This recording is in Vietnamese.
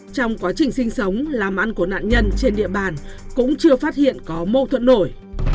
trong quá trình sinh sống làm ăn của nạn nhân trên địa bàn cũng chưa phát hiện có mâu thuẫn nổi